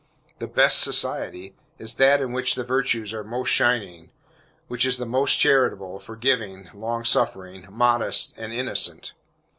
The "best society" is that in which the virtues are most shining, which is the most charitable, forgiving, long suffering, modest, and innocent.